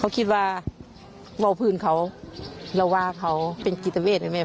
เขาคิดว่าว่าพื้นเขาเราว่าเขาเป็นกิจเวทย์เลยไหม